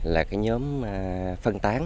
là nhóm phân tán